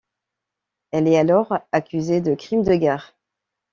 Elle est alors accusée de crimes de guerre.